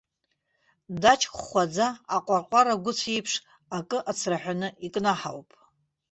Даҷк хәхәаӡа, аҟәарҟәар агәыцә еиԥш, акы ацраҳәаны икнаҳауп.